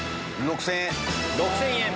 ６０００円。